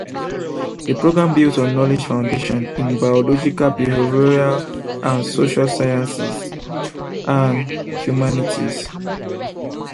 The program builds on knowledge foundation in biological, behavioral and social sciences and humanities.